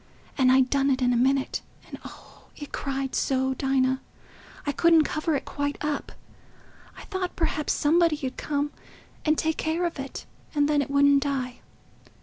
And I'd done it in a minute; and, oh, it cried so, Dinah—I couldn't cover it quite up—I thought perhaps somebody 'ud come and take care of it, and then it wouldn't die.